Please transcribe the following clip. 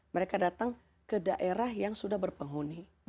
mereka datang ke daerah yang sudah berpenghuni